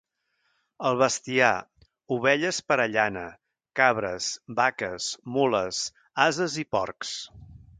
El bestiar, ovelles per a llana, cabres, vaques, mules, ases i porcs.